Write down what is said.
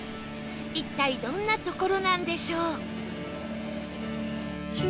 一体どんな所なんでしょう？